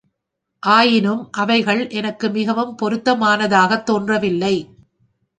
ஆயினும் அவைகள் எனக்கு மிகவும் பொருத்தமாகத் தோன்றவில்லை.